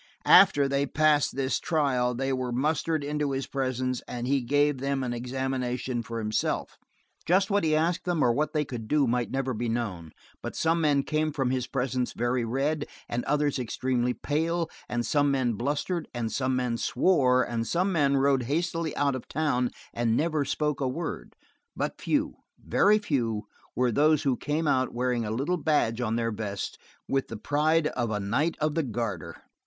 After, they passed this trial they were mustered into his presence, and he gave them an examination for himself. Just what he asked them or what he could never be known, but some men came from his presence very red, and others extremely pale, and some men blustered, and some men swore, and some men rode hastily out of town and spoke not a word, but few, very few, were those who came out wearing a little badge on their vest with the pride of a Knight of the Garter.